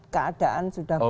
keadaan sudah berubah